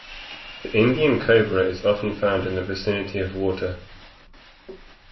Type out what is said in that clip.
The Indian cobra is often found in the vicinity of water.